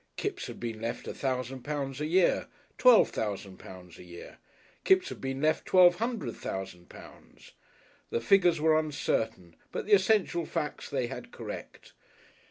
Kipps had been left a thousand pounds a year, twelve thousand pounds a year. Kipps had been left twelve hundred thousand pounds. The figures were uncertain, but the essential facts they had correct.